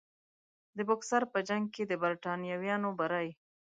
د بوکسر په جنګ کې د برټانویانو بری.